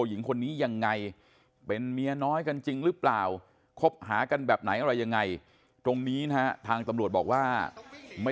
หญิงคนนี้ยังไงเป็นเมียน้อยกันจริงหรือเปล่าคบหากันแบบไหนอะไรยังไงตรงนี้นะฮะทางตำรวจบอกว่าไม่